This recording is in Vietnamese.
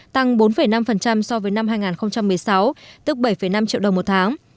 tăng bốn năm so với năm hai nghìn một mươi sáu tức bảy năm triệu đồng một tháng